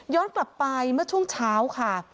กลับไปเมื่อช่วงเช้าค่ะ